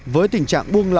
với tình trạng buông lỏng